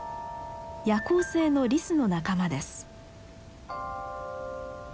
夜行性のリスの仲間です。